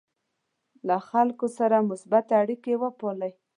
له خلکو سره مثبتې اړیکې وپالئ.